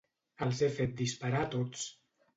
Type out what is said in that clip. Els he fet disparar a tots.